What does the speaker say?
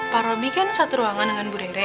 pak roby kan satu ruangan dengan bu rere